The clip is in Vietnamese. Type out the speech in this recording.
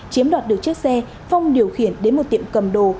chiếm đoạt được chiếc xe phong điều khiển đến một tiệm cầm đồ